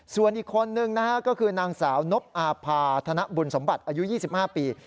ส่วนอีกคนนึงนะฮะก็คือนางสาวนบอาภาธนบุญสมบัติอายุ๒๕ปี